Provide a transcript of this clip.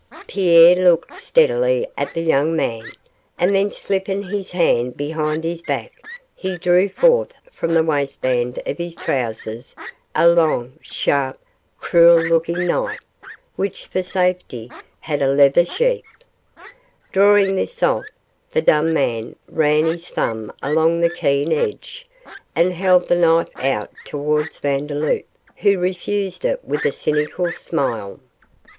Pierre looked steadily at the young man, and then slipping his hand behind his back he drew forth from the waistband of his trousers a long, sharp, cruel looking knife, which for safety had a leather sheath. Drawing this off, the dumb man ran his thumb along the keen edge, and held the knife out towards Vandeloup, who refused it with a cynical smile.